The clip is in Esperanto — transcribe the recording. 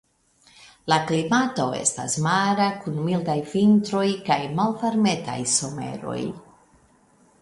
La klimato estas mara kun mildaj vintroj kaj malvarmetaj someroj.